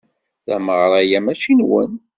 Tameɣra-a mačči nwen.